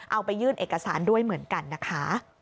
เอาไปยื่นเอกสารด้วยเหมือนกันนะคะ